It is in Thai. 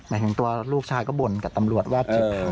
หมายถึงตัวลูกชายกระบวนกับตำรวจว่า